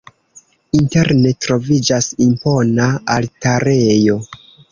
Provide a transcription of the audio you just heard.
Interne troviĝas impona altarejo.